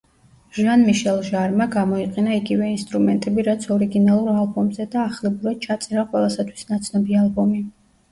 ჟან-მიშელ ჟარმა გამოიყენა იგივე ინსტრუმენტები, რაც ორიგინალურ ალბომზე და ახლებურად ჩაწერა ყველასათვის ნაცნობი ალბომი.